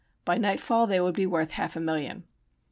By nightfall they would be worth half a million.